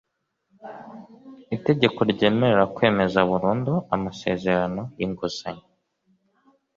Itegeko ryemerera kwemeza burundu Amasezerano y inguzanyo